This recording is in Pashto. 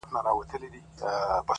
د شنه ارغند د سپین کابل او د بوُدا لوري